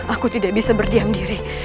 aku tidak bisa berdiam diri